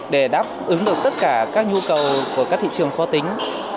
để đáp ứng được tất cả các nhu cầu của các thị trường khó tính